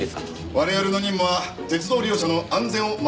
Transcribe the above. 我々の任務は鉄道利用者の安全を守る事です。